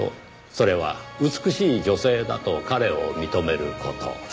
それは美しい女性だと彼を認める事。